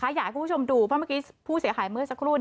อยากให้คุณผู้ชมดูเพราะเมื่อกี้ผู้เสียหายเมื่อสักครู่